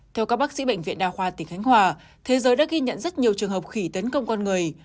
theo các bác sĩ bệnh viện đa khoa tỉnh khánh hòa thế giới đã ghi nhận rất nhiều trường hợp khỉ tấn công con người